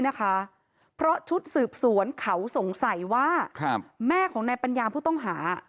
นะคะเพราะชุดสืบสวนเขาสงสัยว่าแม่ของนายปัญญาผู้ต้องหา